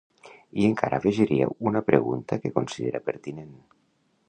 I encara afegiria una pregunta que considera pertinent—.